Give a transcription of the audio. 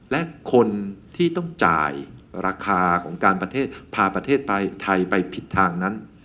และคนที่ต้องจ่ายราคาของการประเทศพาประเทศไปไทยไปผิดทางนั้น